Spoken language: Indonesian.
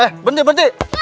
eh bentih bentih